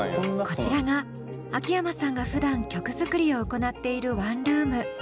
こちらが秋山さんがふだん曲作りを行っているワンルーム。